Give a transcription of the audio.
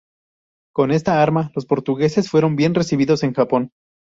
Con esta arma, los portugueses fueron bien recibidos en Japón.